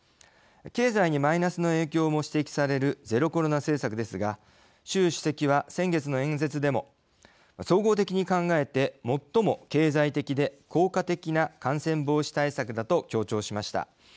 経済にマイナスの影響も指摘されるゼロコロナ政策ですが習主席は先月の演説でも「総合的に考えて最も経済的で効果的な感染防止対策だ」と強調しました。